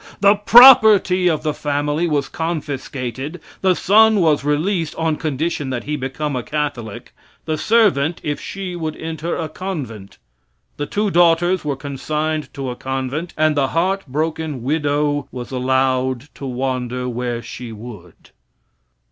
The property of the family was confiscated; the son was released on condition that he become a Catholic; the servant if she would enter a convent. The two daughters were consigned to a convent and the heart broken widow was allowed to wander where she would.